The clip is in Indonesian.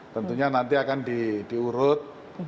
tentunya nanti akan diurut